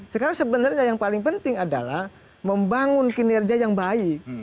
sekarang sebenarnya yang paling penting adalah membangun kinerja yang baik